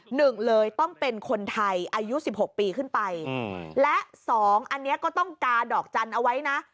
หนึ่งเลยต้องเป็นคนไทยอายุสิบหกปีขึ้นไปอืมและสองอันนี้ก็ต้องกาดอกจันทร์เอาไว้นะ